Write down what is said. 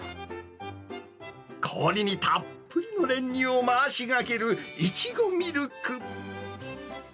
氷のたっぷりの練乳を回しがける、いちごミルク。